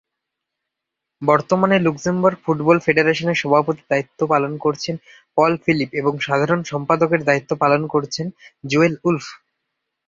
বর্তমানে Luxembourg football ফেডারেশনের সভাপতির দায়িত্ব পালন করছেন পল ফিলিপ এবং সাধারণ সম্পাদকের দায়িত্ব পালন করছেন জোয়েল উলফ।